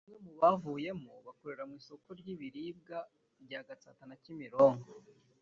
Bamwe mu babuvuyemo bakorera mu isoko ry’ibiribwa rya Gatsata na Kimironko